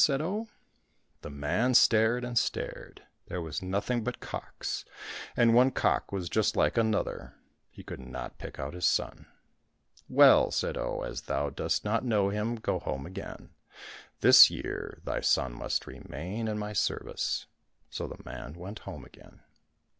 said Oh. The man stared and stared. There was nothing but cocks, and one cock was j\ist like another. He could not pick out his son. " Well," said Oh, " as thou dost not know him, go home again ; this year thy son must remain in my service." So the man went home again.